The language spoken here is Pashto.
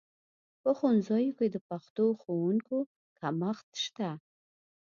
په ښوونځیو کې د پښتو ښوونکو کمښت شته